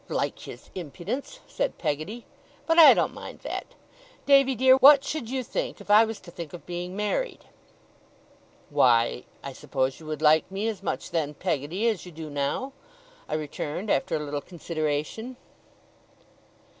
'Like his impudence,' said Peggotty, 'but I don't mind that! Davy dear, what should you think if I was to think of being married?' 'Why I suppose you would like me as much then, Peggotty, as you do now?' I returned, after a little consideration.